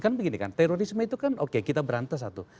kan begini kan terorisme itu kan oke kita berantas satu